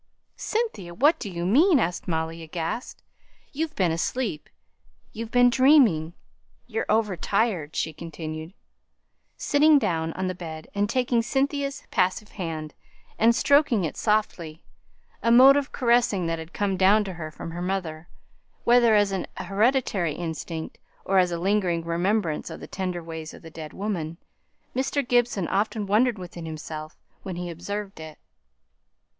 "Cynthia! what do you mean?" asked Molly, aghast. "You've been asleep you've been dreaming. You're over tired," continued she, sitting down on the bed, and taking Cynthia's passive hand, and stroking it softly a mode of caressing that had come down to her from her mother whether as an hereditary instinct, or as a lingering remembrance of the tender ways of the dead woman, Mr. Gibson often wondered within himself when he observed it.